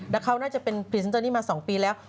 แล้วเขาน่าจะเป็นพรีเซนเตอร์นี้มา๒ปีแล้ว